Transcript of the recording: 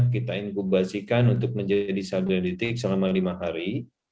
kita inkubasikan untuk menjadi sal dendritik selama lima hari